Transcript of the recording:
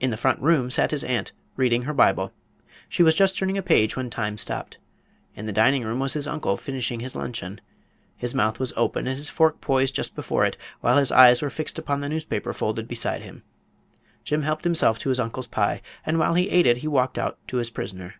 In the front room sat his aunt, reading her Bible. She was just turning a page when Time stopped. In the dining room was his uncle, finishing his luncheon. His mouth was open and his fork poised just before it, while his eyes were fixed upon the newspaper folded beside him. Jim helped himself to his uncle's pie, and while he ate it he walked out to his prisoner.